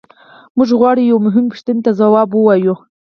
موږ غواړو یوې مهمې پوښتنې ته ځواب ووایو.